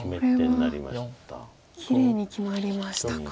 これはきれいに決まりましたか。